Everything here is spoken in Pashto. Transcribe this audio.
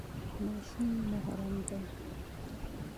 ماشوم محرم نه دی.